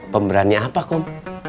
pemberani apa kom